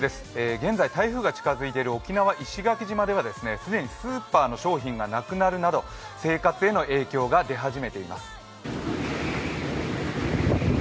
現在、台風が近付いている沖縄、石垣島では既にスーパーの商品がなくなるなど、生活への影響が出始めています。